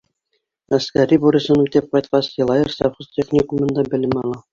Ғәскәри бурысын үтәп ҡайтҡас, Йылайыр совхоз-техникумында белем ала.